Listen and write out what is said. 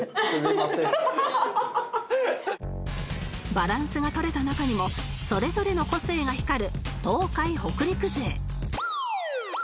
バランスが取れた中にもそれぞれの個性が光る東海北陸勢